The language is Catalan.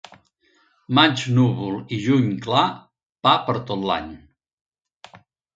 Maig núvol i juny clar, pa per tot l'any.